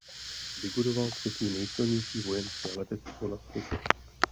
Vybudoval třetí nejsilnější vojenské letectvo na světě.